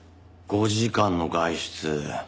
５時間の外出。